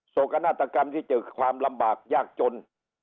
โศกนาฏกรรมที่เจอความลำบากยากจน